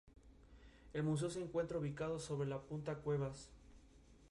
Constituye una extraordinaria muestra de la arquitectura civil de la Edad Media.